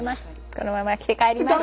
このまま着て帰ります。